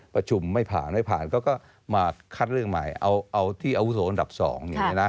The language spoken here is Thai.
ประชุมไม่ผ่านไม่ผ่านก็มาคัดเรื่องใหม่เอาที่อาวุโสอันดับ๒อย่างนี้นะ